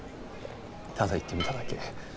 ただ言ってみただけ。